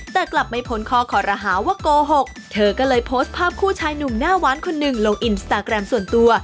แต่กลับไม่พ้นคอขอรหาว่าโกหกเธอก็เลยโพสต์ภาพคู่ชายหนุ่มหน้าหวานคนหนึ่งลงอินสตาแกรมส่วนตัว